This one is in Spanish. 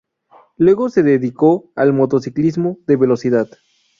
Luego se dedicó al motociclismo de velocidad.